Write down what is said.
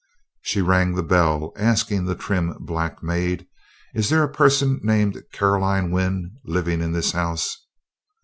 She rang the bell, asking the trim black maid: "Is there a person named Caroline Wynn living in this house?"